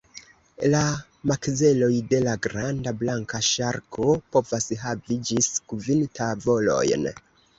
La makzeloj de la granda blanka ŝarko povas havi ĝis kvin tavolojn.